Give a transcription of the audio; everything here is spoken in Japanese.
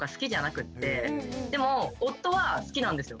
でも夫は好きなんですよ